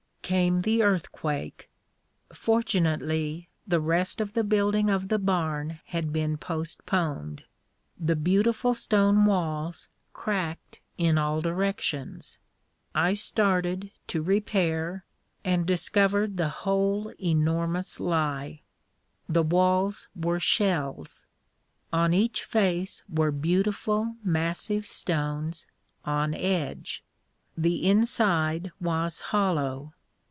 Came the earthquake. Fortunately the rest of the building of the barn had been postponed. The beautiful stone walls cracked in all directions. I started, to repair, and discovered the whole enormous lie. The walls were shells. On each face were beautiful, massive stones on edge. The inside was hollow.